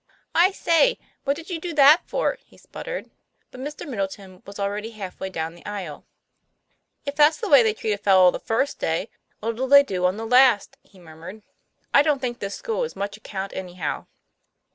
"I say, what did you do that for?" he sputtered; but Mr. Middleton was already half way down the aisle. " If that's the way they treat a fellow the first day, what'll they do on the last ?" he murmured. " I don't think this school is much account anyhow."